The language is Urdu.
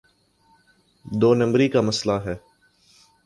دو نمبری کا مسئلہ ہے۔